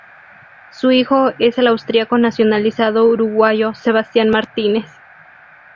Su hijo es el austríaco nacionalizado uruguayo Sebastián Martínez.